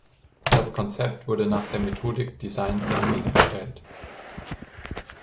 Das Konzept wurde nach der Methodik Design Thinking erstellt.